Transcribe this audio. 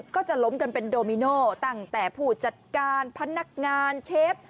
ก็จะล้มกันเป็นโดมิโนตั้งแต่ผู้จัดการพนักงานเชฟ